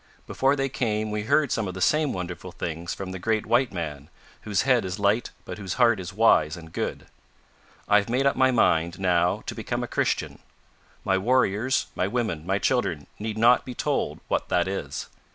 Before they came we heard some of the same wonderful things from the great white man, whose head is light but whose heart is wise and good. I have made up my mind, now, to become a Christian. My warriors, my women, my children need not be told what that is.